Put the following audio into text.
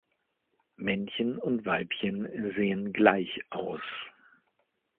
Männchen und Weibchen sehen gleich aus.